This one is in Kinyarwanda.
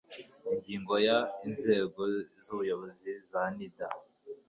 Ingingo ya Inzego z Ubuyobozi za NIDA